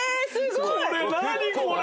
これ何これ！